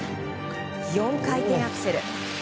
４回転アクセル。